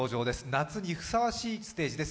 夏にふさわしいステージです。